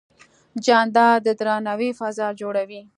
جانداد د درناوي فضا جوړوي.